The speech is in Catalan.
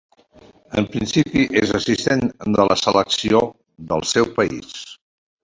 En principi és assistent de la selecció del seu país.